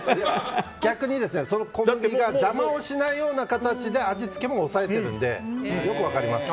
逆に小麦が邪魔をしないような形で味付けも抑えてるので良く分かります。